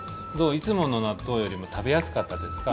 いつものなっとうよりもたべやすかったですか？